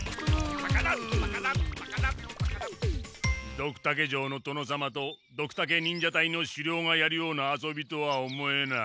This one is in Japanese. ドクタケ城の殿様とドクタケ忍者隊の首領がやるような遊びとは思えない。